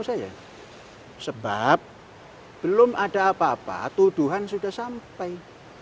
sebab belum ada apa apa tuduhan sudah sampai